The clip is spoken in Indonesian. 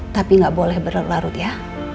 tapi gak boleh berlarut larut ya